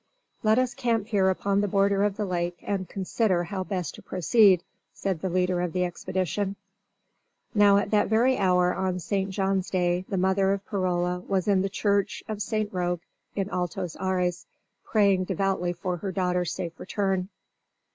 "Let us camp here upon the border of the lake and consider how best to proceed," said the leader of the expedition. Now at that very hour on St. John's Day the mother of Perola was in the church of St. Roque in Altos Ares praying devoutly for her daughter's safe return.